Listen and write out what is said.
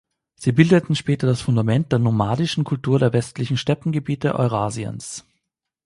Sie bildeten später das Fundament der nomadischen Kultur der westlichen Steppengebiete Eurasiens.